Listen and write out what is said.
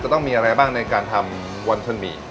ต้องมีอะไรบ้างในการทำวอนเทนมี่